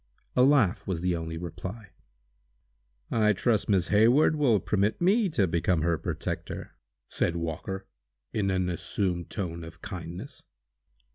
A laugh was the only reply. "I trust Miss Hayward will permit me to become her protector!" said Walker, in an assumed tone of kindness.